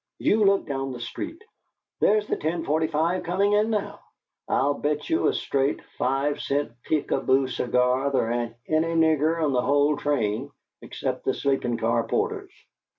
"You look down the street. There's the ten forty five comin' in now. I'll bet you a straight five cent Peek a Boo cigar there ain't ary nigger on the whole train, except the sleepin' car porters."